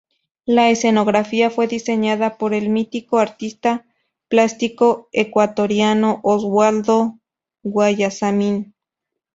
La escenografía fue diseñada por el mítico artista plástico ecuatoriano Oswaldo Guayasamín.